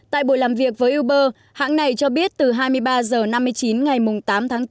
tại buổi làm việc với uber hãng này cho biết từ hai mươi ba h năm mươi chín ngày tám tháng bốn